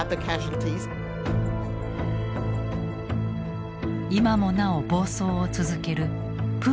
今もなお暴走を続けるプーチンの軍隊。